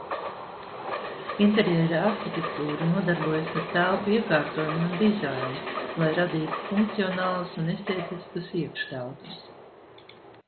Interjera arhitektūra nodarbojas ar telpu iekārtojumu un dizainu, lai radītu funkcionālas un estētiskas iekštelpas.